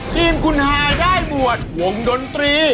ทีมคุณฮายได้บวชวงดนตรี